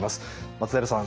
松平さん